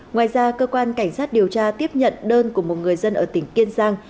ngoài ra cơ quan cảnh sát điều tra tiếp nhận đơn của một người dân ở tỉnh kiên giang